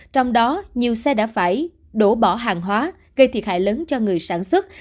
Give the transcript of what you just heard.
trong đó nhiều xe đã phải đổ bỏ hàng hóa gây thiệt hại lớn cho người sản xuất